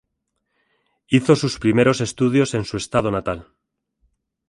Hizo sus primeros estudios en su estado natal.